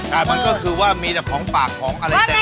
ก็คือว่ามีแต่ของฝากของอะไรฟัง